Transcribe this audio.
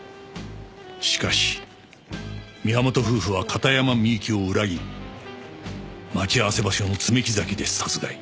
しかし宮本夫婦は片山みゆきを裏切り待ち合わせ場所の爪木崎で殺害。